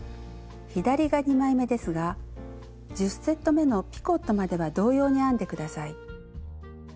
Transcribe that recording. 左が２枚めですが１０セットめのピコットまでは同様に編んで下さい。